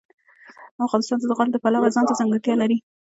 افغانستان د زغال د پلوه ځانته ځانګړتیا لري.